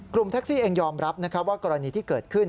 แท็กซี่เองยอมรับว่ากรณีที่เกิดขึ้น